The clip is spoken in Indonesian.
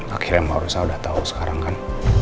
akhirnya mbak rosa udah tahu sekarang kan